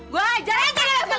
gue hajar aja dia